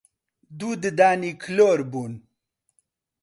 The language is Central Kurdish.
دوو ددانی کلۆر بوون